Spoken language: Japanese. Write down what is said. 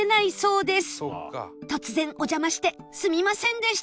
突然お邪魔してすみませんでした